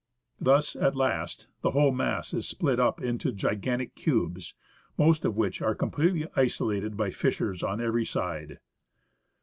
Thus, at last, the whole mass is split up into gigantic cubes, most of which are completely isolated by fissures on every side.